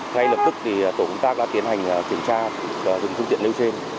ngay lập tức tổ công tác đã tiến hành kiểm tra dùng phương tiện nêu trên